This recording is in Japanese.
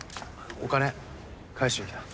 お金返しに来た。